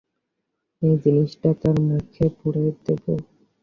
এই জিনিসটা তার মুখে পুরে দেবো।